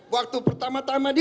waktu pertama tama dia